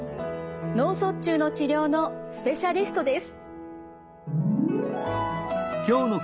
脳卒中の治療のスペシャリストです。